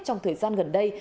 trong thời gian gần đây